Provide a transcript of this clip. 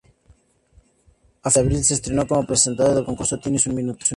A finales de abril se estrenó como presentadora del concurso "¿Tienes un minuto?